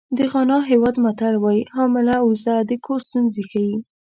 د غانا هېواد متل وایي حامله اوزه د کور ستونزې ښیي.